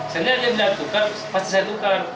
jadiannya tidak tukar pasti saya tukar